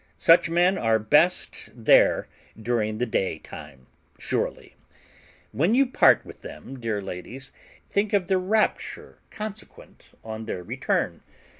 Such men are best there during the day time surely. When you part with them, dear ladies, think of the rapture consequent on their return.